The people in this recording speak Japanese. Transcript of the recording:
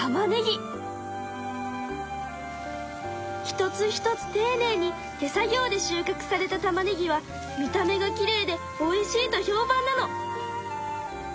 一つ一つていねいに手作業で収かくされたたまねぎは見た目がきれいでおいしいと評判なの。